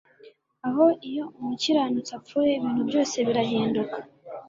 Ah iyo Umukiranutsi apfuye ibintu byose birahinduka